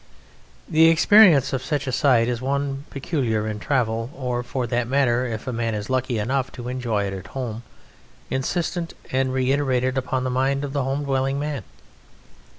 The experience of such a sight is one peculiar in travel, or, for that matter, if a man is lucky enough to enjoy it at home, insistent and reiterated upon the mind of the home dwelling man.